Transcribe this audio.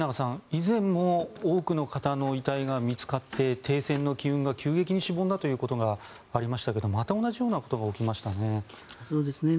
以前も多くの方の遺体が見つかって、停戦の機運が急激にしぼんだということがありましたがまた同じようなことが起きましたね。